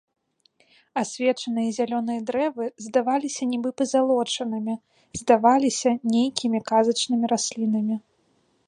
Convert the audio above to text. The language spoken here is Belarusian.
Асвечаныя зялёныя дрэвы здаваліся нібы пазалочанымі, здаваліся нейкімі казачнымі раслінамі.